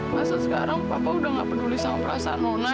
masa sekarang papa udah gak peduli sama perasaan nona